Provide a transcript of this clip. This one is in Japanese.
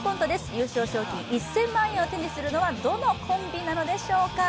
優勝賞金１０００万円を手にするのはどのコンビなのでしょうか。